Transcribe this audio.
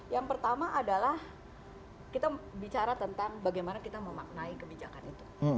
yang pertama adalah kita bicara tentang bagaimana kita memaknai kebijakan itu